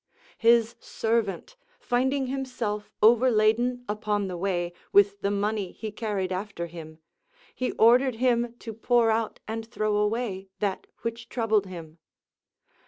His servant finding himself overladen upon the way, with the money he carried after him, he ordered him to pour out and throw away that which troubled him.